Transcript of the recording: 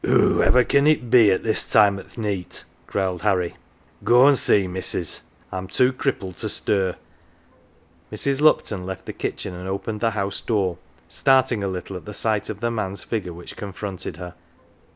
" Whoever can it be at this time o' th' neet ?" growled Harry. " Go an' see, missus ; I'm too crippled to stir." Mrs. Lupton left the kitchen and opened the house door, starting a little at the sight of the man's figure which confronted her.